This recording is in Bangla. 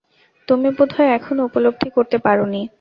তুমি বোধহয় এখনও উপলব্ধি করতে পারোনি।